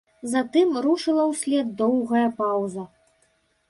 Затым рушыла ўслед доўгая паўза.